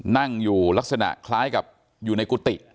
นั่งอยู่ลักษณะคล้ายกับอยู่ในกุฏิ